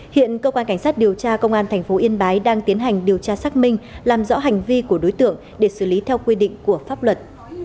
hiện cơ quan cảnh sát điều tra công an tp yên bái đang tiến hành điều tra xác minh làm rõ hành vi của đối tượng để xử lý theo quy định của pháp luật